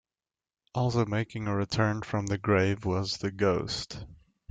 Also making a return from the grave was the Ghost.